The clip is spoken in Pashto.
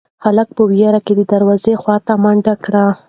هلک په وېره کې د دروازې خواته منډه کړه.